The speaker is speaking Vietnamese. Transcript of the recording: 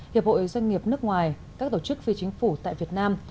hiệp hội doanh nghiệp nước ngoài các tổ chức phi chính phủ tại việt nam